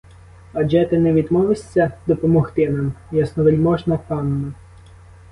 Адже ти не відмовишся допомогти нам, ясновельможна панно?